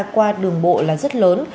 qua đường bộ là rất lớn